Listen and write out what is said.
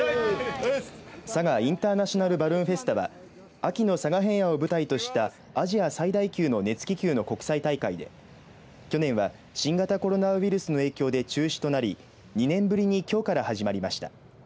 佐賀インターナショナルバルーンフェスタは秋の佐賀平野を舞台としたアジア最大級の熱気球の国際大会で去年は新型コロナウイルスの影響で中止となり２年ぶりにきょうから始まりました。